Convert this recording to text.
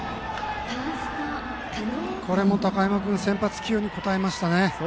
これも高山君先発起用に応えましたね。